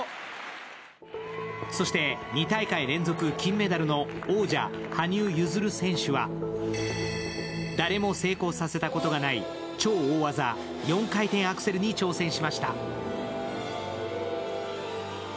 そして２大会連続金メダルの王者、羽生結弦選手は誰も成功させたことがない超大技・４回転アクセルに挑戦しました。